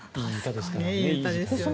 いい歌ですからね。